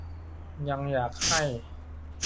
ยังอยากให้